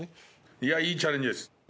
いやいいチャレンジです。